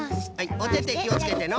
おててきをつけての。